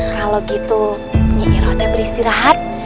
kalau begitu nyi iroh beristirahat